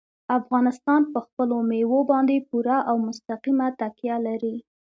افغانستان په خپلو مېوو باندې پوره او مستقیمه تکیه لري.